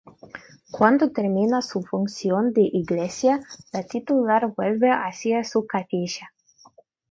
Cuando termina su función de iglesia, la titular vuelve hacia su capilla.